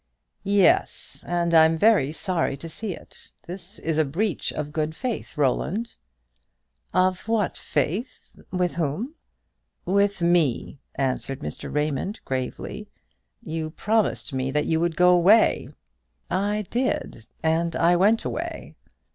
"Yes, and I am very sorry to see it. This is a breach of good faith, Roland." "Of what faith? with whom?" "With me," answered Mr. Raymond, gravely. "You promised me that you would go away." "I did; and I went away."